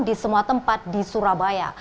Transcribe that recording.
di semua tempat di surabaya